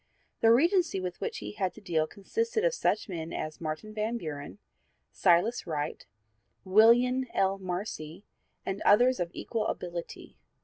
The 'Regency' with which he had to deal consisted of such men as Martin Van Buren, Silas Wright, Willian L. Marcy and others of equal ability.